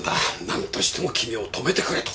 なんとしても君を止めてくれと。